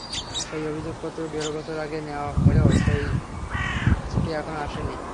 সেই অভিযোগপত্র দেড় বছর আগে দেওয়া হলেও সেই চিঠি এখনো আসেনি।